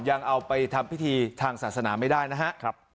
ยังเอาไปทำพิธีทางศาสนาไม่ได้นะครับ